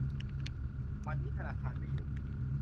วันนี้ธนาคารไม่หยุด